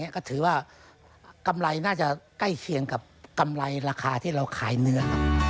ก็ถือว่ากำไรน่าจะใกล้เคียงกับกำไรราคาที่เราขายเนื้อ